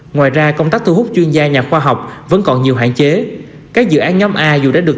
ngoài ra công tác thu hút chuyên gia nhà khoa học vẫn còn nhiều hạn chế các dự án nhóm a dù đã được